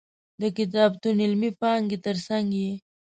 د کتابتون علمي پانګې تر څنګ یې.